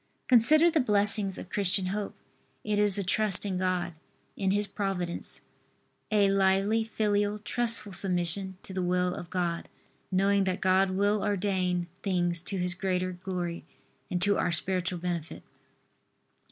Consider the blessings of Christian hope. It is a trust in God, in His Providence, a lively, filial, trustful submission to the will of God, knowing that God will ordain things to His greater glory and to our spiritual benefit.